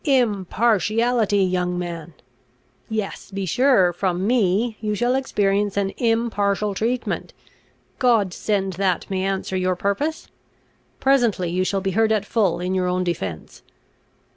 "Impartiality, young man! Yes, be sure, from me you shall experience an impartial treatment! God send that may answer your purpose! Presently you shall be heard at full in your own defence.